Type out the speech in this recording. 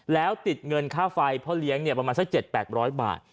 แล้วติดเงินค่าไฟพ่อเลี้ยงเนี่ยประมาณสักเจ็ดแปดร้อยบาท